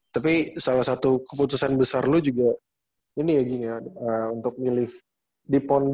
tapi salah satu keputusan besar lu juga ini ya ging ya untuk ngelih di pon dua ribu enam belas ya